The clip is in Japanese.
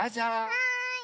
はい！